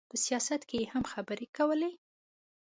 په سیاست کې یې هم خبرې کولې.